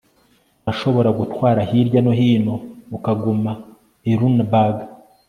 Urashobora gutwara hirya no hino ukaguma i Lunenburg